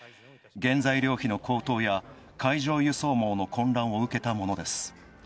原材料費の高騰や、海上輸送網の混乱を受けたものです。